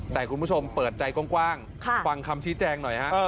แต่คุณผู้ชมเปิดใจกว้างฟังคำชี้แจงหน่อยฮะ